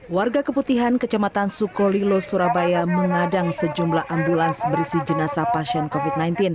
warga keputihan kecamatan sukolilo surabaya mengadang sejumlah ambulans berisi jenazah pasien covid sembilan belas